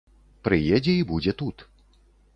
Прыедзе і будзе тут.